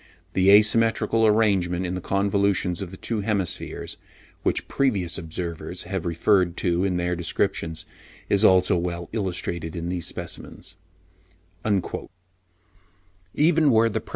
The asymmetrical arrangement in the convolutions of the two hemispheres, which previous observers have referred to in their descriptions, is also well illustrated in these specimens" (pp.